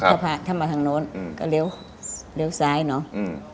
ถ้าผ่านถ้ามาทางโน้นอืมก็เลี้ยวเลี้ยวซ้ายเนอะอืม